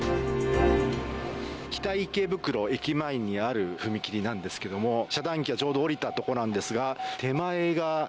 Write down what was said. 北池袋駅前にある踏切なんですけども遮断機がちょうど下りたとこなんですが。